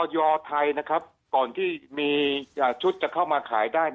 อยไทยนะครับก่อนที่มีชุดจะเข้ามาขายได้